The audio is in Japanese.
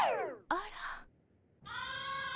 あら。